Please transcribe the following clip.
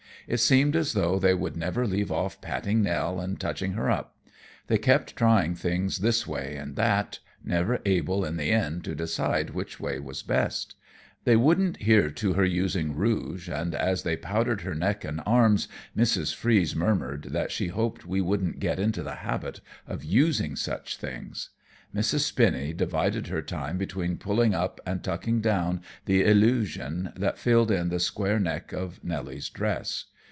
It seemed as though they would never leave off patting Nell and touching her up. They kept trying things this way and that, never able in the end to decide which way was best. They wouldn't hear to her using rouge, and as they powdered her neck and arms, Mrs. Freeze murmured that she hoped we wouldn't get into the habit of using such things. Mrs. Spinny divided her time between pulling up and tucking down the "illusion" that filled in the square neck of Nelly's dress.